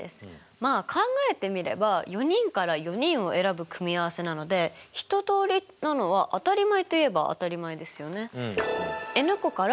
まあ考えてみれば４人から４人を選ぶ組合せなので１通りなのは当たり前といえば当たり前ですよね。